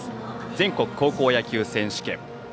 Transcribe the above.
全国高校野球選手権。